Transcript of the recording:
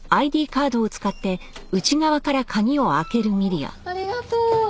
ああありがとう。